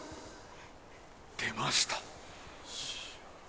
出ました。